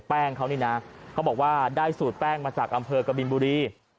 แป้งเขานี่นะเขาบอกว่าได้สูตรแป้งมาจากอำเภอกบินบุรี